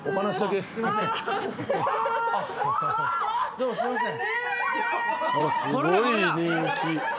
どうもすいません。